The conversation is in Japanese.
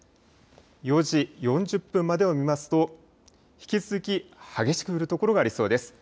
４時４０分までを見ますと引き続き激しく降る所がありそうです。